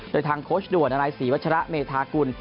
โดยทางโคชด่วนอศีวชะระเมธากุล